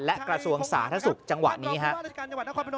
และกระทรวงสาธารณสุขจังหวะนี้ครับ